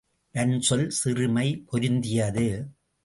வன்சொல், சிறுமை பொருந்தியது.